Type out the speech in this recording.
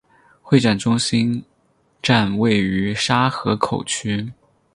会展中心站位于沙河口区。